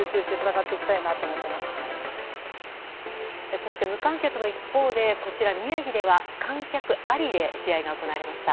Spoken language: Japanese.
そして、無観客の一方でこちらの宮城では観客ありで試合が行われました。